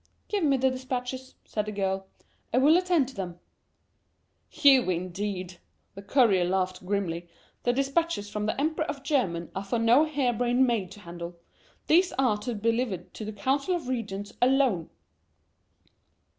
"Give me the dispatches," said the girl; "I will attend to them." "You, indeed!" The courier laughed grimly. "The dispatches from the Emperor of Germany are for no hairbrained maid to handle. These are to be delivered to the Council of Regents alone."